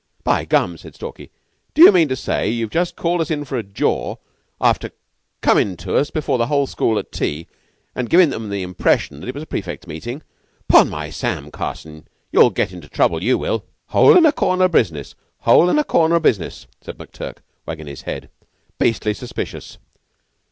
"My Gum!" said Stalky. "Do you mean to say you've just called us in for a jaw after comin' to us before the whole school at tea an' givin' 'em the impression it was a prefects' meeting? 'Pon my Sam, Carson, you'll get into trouble, you will." "Hole an' corner business hole an' corner business," said McTurk, wagging his head. "Beastly suspicious."